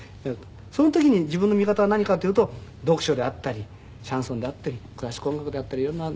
その時に自分の味方は何かっていうと読書であったりシャンソンであったりクラシック音楽であったり色んな。